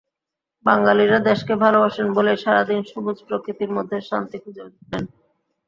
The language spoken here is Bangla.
বাঙালিরা দেশকে ভালোবাসেন বলেই সারা দিন সবুজ প্রকৃতির মধ্যে শান্তি খুঁজে নেন।